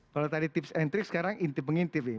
kalau tadi tips and trick sekarang intip mengintip nih